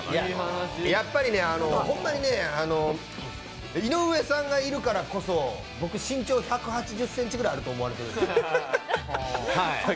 ホンマに井上さんがいるからこそ身長１８０ｃｍぐらいあると思われてるんです。